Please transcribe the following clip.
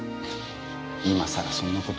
今さらそんなことを。